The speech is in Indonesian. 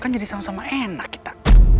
kan jadi sama sama enak kita